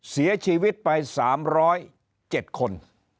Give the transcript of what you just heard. เสียชีวิตไป๓๐๗คน